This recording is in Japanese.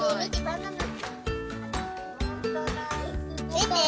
見て。